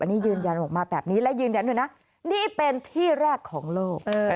อันนี้ยืนยันออกมาแบบนี้และยืนยันด้วยนะนี่เป็นที่แรกของโลก